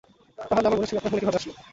তাহলে আমার বোনের ছবি আপনার ফোনে কিভাবে আসল?